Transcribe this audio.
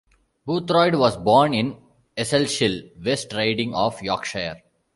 Boothroyd was born in Eccleshill, West Riding of Yorkshire.